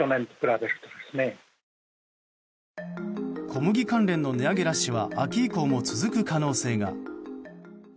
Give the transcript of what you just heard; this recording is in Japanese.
小麦関連の値上げラッシュは秋以降も続く可能性が。